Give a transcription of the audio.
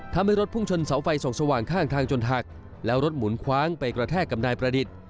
ทำให้รถพุ่งชนเสาไฟส่องสว่างข้างทางจนหักแล้วรถหมุนคว้างไปกระแทกกับนายประดิษฐ์